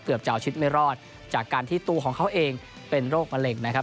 จะเอาชีวิตไม่รอดจากการที่ตัวของเขาเองเป็นโรคมะเร็งนะครับ